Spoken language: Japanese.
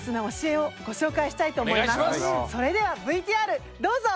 それではＶＴＲどうぞ！